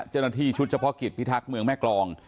เจ้าหน้าที่ชุดเฉพาะกิจพิทักษ์เมืองแม่กรอง